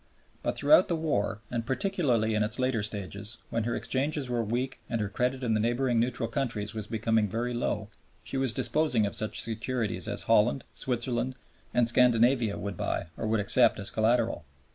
But throughout the war and particularly in its later stages, when her exchanges were weak and her credit in the neighboring neutral countries was becoming very low, she was disposing of such securities as Holland, Switzerland, and Scandinavia would buy or would accept as collateral.